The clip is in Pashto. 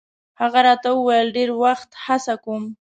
هغه راته ویل چې ډېر وخت هڅه کوم.